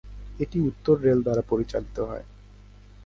এটি উত্তর রেল দ্বারা পরিচালিত হয়।